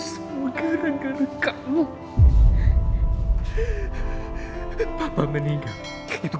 saya akan ke mana selalu